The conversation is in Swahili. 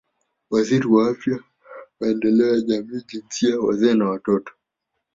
Waziri wa Afya Maendeleo ya Jamii Jinsia Wazee na Watoto